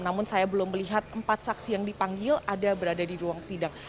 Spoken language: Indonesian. namun saya belum melihat empat saksi yang dipanggil ada berada di ruang sidang